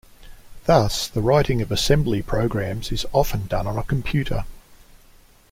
Thus, the writing of Assembly programs is often done on a computer.